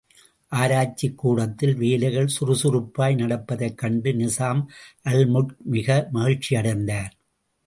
ஆராய்ச்சிக் கூடத்தில் வேலைகள் சுறுசுறுப்பாய் நடப்பதைக் கண்டு நிசாம் அல்முல்க் மிக மகிழ்ச்சியடைந்தார்.